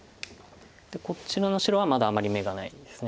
こちらの白はまだあまり眼がないです。